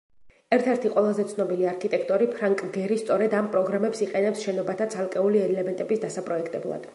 ერთ-ერთი ყველაზე ცნობილი არქიტექტორი ფრანკ გერი სწორედ ამ პროგრამებს იყენებს შენობათა ცალკეული ელემენტების დასაპროექტებლად.